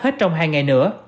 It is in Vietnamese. hết trong hai ngày nữa